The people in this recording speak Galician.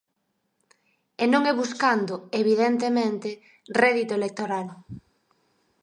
E non é buscando, evidentemente, rédito electoral.